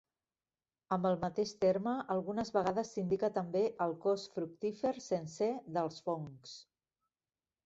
Amb el mateix terme algunes vegades s'indica també el cos fructífer sencer dels fongs.